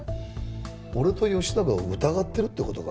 俺と吉永を疑ってるって事か？